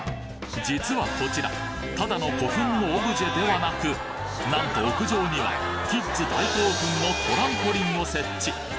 実はこちらただの古墳のオブジェではなくなんと屋上にはキッズ大興奮のトランポリンを設置